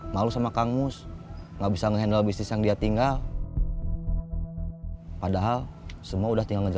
malu sama kangus nggak bisa mengendalai bisnis yang dia tinggal padahal semua udah tinggal aja